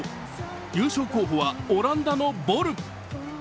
優勝候補はオランダのボル。